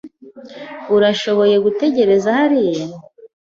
Urashobora gutegereza hariya.